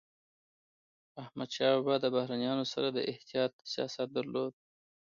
احمدشاه بابا د بهرنيانو سره د احتیاط سیاست درلود.